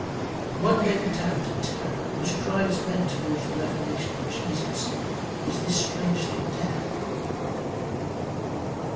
One main doubt and terror which drives men towards the revelation in Jesus, is this strange thing Death.